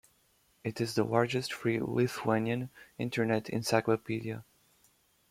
It is the largest free Lithuanian internet encyclopedia.